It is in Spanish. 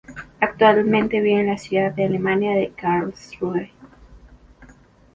Actualmente vive en la ciudad alemana de Karlsruhe.